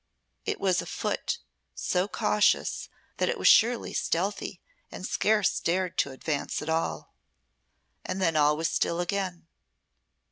It was a foot so cautious that it was surely stealthy and scarce dared to advance at all. And then all was still again.